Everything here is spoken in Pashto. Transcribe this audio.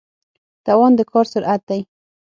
توان د کار سرعت دی.